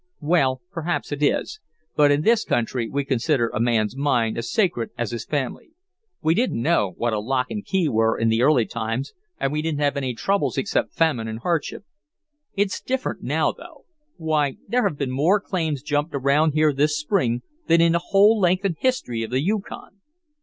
"Well, perhaps it is; but in this country we consider a man's mine as sacred as his family. We didn't know what a lock and key were in the early times and we didn't have any troubles except famine and hardship. It's different now, though. Why, there have been more claims jumped around here this spring than in the whole length and history of the Yukon."